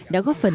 đã góp phần